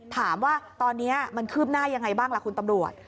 ถามว่าตอนนี้มันคืบหน้ายังไงบ้างล่ะคุณตำรวจ